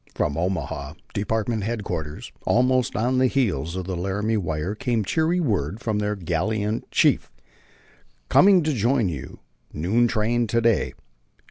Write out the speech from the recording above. From Omaha, department headquarters, almost on the heels of the Laramie wire came cheery word from their gallant chief: "Coming to join you noon train to day.